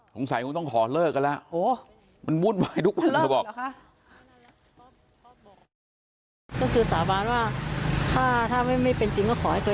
สงสัยคงต้องขอเลิกกันแล้วมันวุ่นว่ายุ่งความจะบอก